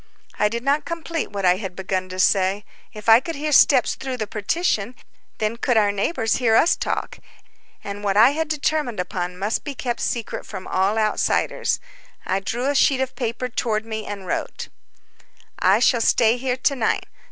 I did not complete what I had begun to say. If I could hear steps through the partition, then could our neighbors hear us talk, and what I had determined upon must be kept secret from all outsiders. I drew a sheet of paper toward me and wrote: "I shall stay here to night.